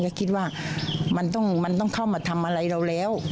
ก็คิดว่ามันต้องเข้ามาทำอะไรเราแล้ว